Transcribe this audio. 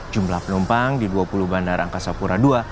jumlah penumpang di dua puluh bandara angkasa pura ii